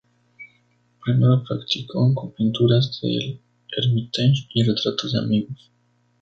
Primero practicó con pinturas del Hermitage y retratos de amigos.